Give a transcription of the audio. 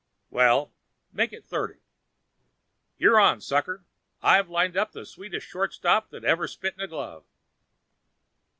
"Well, make it thirty." "You're on, sucker. I've lined up the sweetest shortstop that ever spit in a glove